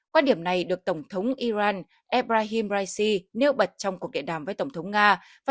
quan điểm này được tổng thống iran ebrahim raisi nêu bật trong cuộc điện đàm với tổng thống nga